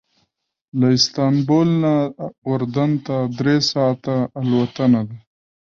له استانبول نه اردن ته درې ساعته الوتنه ده.